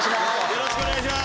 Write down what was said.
よろしくお願いします。